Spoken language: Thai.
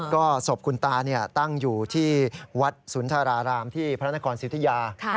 ก็ศพคุณตาตั้งอยู่ที่วัดสุนทรารามที่พระนครสิทธิยา